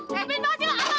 yeeh pemin banget sih lo